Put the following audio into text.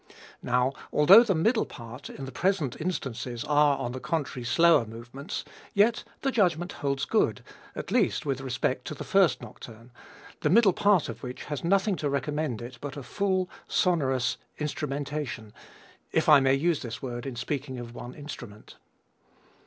Now, although the middle part in the present instances are, on the contrary, slower movements, yet the judgment holds good; at least with respect to the first nocturne, the middle part of which has nothing to recommend it but a full, sonorous instrumentation, if I may use this word in speaking of one instrument.